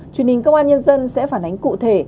truyền hình công an nhân dân sẽ phản ánh cụ thể